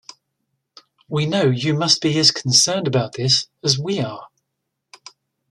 We know you must be as concerned about this as we are...